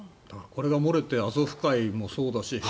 これが漏れてアゾフ海もそうだし